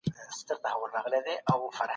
تاريخي څېړنه هم مهمه وبلل سوه.